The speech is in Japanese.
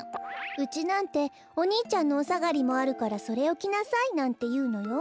うちなんてお兄ちゃんのおさがりもあるからそれをきなさいなんていうのよ。